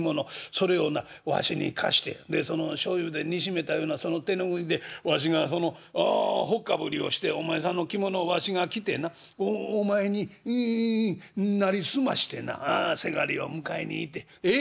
それをなわしに貸してそのしょうゆで煮しめたようなその手拭いでわしがそのほっかぶりをしてお前さんの着物をわしが着てなお前にいい成り済ましてなせがれを迎えに行てええ？